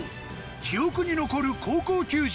記憶に残る高校球児